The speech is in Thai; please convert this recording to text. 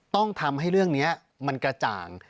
ต้องทำให้เรื่องนี้มันกระจ่าง